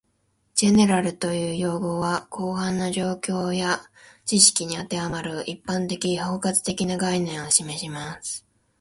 "General" という用語は、広範な状況や知識に当てはまる、一般的・包括的な概念を示します